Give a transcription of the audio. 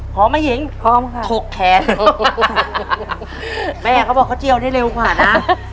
ไม่หญิงพร้อมค่ะถกแขนแม่เขาบอกเขาเจียวได้เร็วกว่านะ